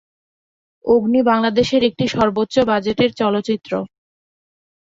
অগ্নি বাংলাদেশের একটি সর্বোচ্চ বাজেটের চলচ্চিত্র।